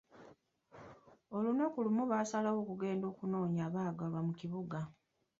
Olunaku lumu baasalawo okugenda okunoonya abaagalwa mu kibuga.